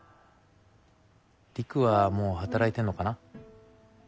璃久はもう働いてるのかな？